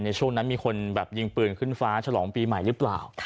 ในช่วงนั้นมีคนแบบยิงปืนขึ้นฟ้าฉลองปีใหม่หรือเปล่า